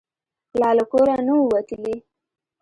لا له کوره نه وو وتلي.